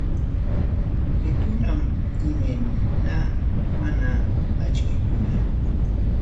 Kaykunam imaynama akchikuna.